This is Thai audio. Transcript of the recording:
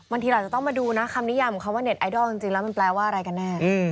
บางทีเราจะต้องมาดูนะคำนิยามของคำว่าเด็ดไอดอลจริงแล้วมันแปลว่าอะไรกันแน่